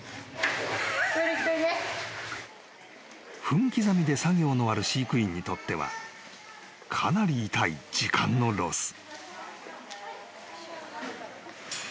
［分刻みで作業のある飼育員にとってはかなり痛い時間のロス］